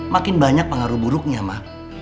makin banyak pengaruh buruknya mak